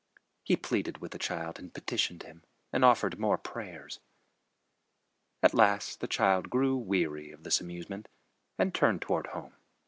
He pleaded with the child and petitioned him, and offered more prayers. At last the child grew weary of this amusement and turned toward home.